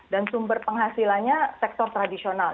dan sumber penghasilannya sektor tradisional